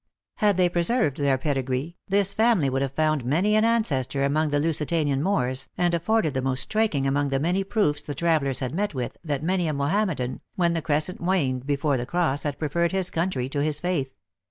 Had they preserved their pedigree, this family would have found many an ancestor among the Lusi tanian Moors, and afforded the most striking among the many proofs the travelers had met with, that many a Mohammedan, when the crescent waned before the cross, had preferred his country to his faith.